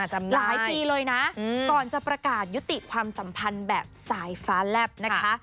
หลายปีเลยนะก่อนจะประกาศยุติความสัมพันธ์แบบสายฟ้าแลบนะคะ